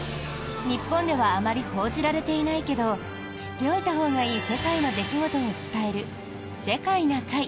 日本ではあまり報じられていないけど知っておいたほうがいい世界の出来事を伝える「世界な会」。